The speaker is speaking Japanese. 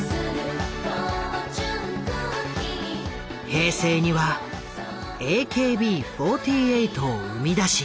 平成にはＡＫＢ４８を生み出し。